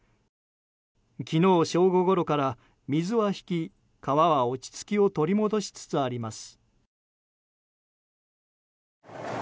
昨日正午ごろから、水は引き川は落ち着きを取り戻しつつあります。